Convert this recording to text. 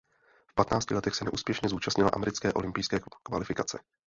V patnácti letech se neúspěšně zúčastnila americké olympijské kvalifikace.